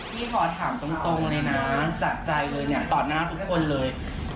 พี่ขอถามตรงเลยนะจากใจเลยเนี่ยต่อหน้าทุกคนเลย